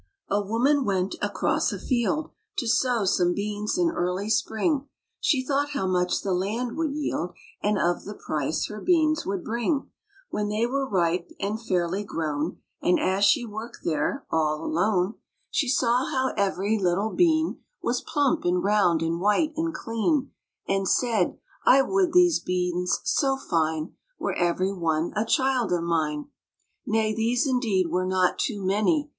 A WOMAN went across a field To sow some beans in early spring ; She thought how much the land would yield, And of the price her beans woidd bring When they were ripe and fairly grown. And as she worked there all alone, 97 98 THE CHILDREN'S WONDER BOOK. She saw how every little bean Was plump and round and white and clean, And said, I would these beans so fine Were every one a child of mine — Nay, these indeed were not too many